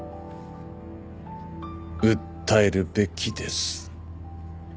訴えるべきです。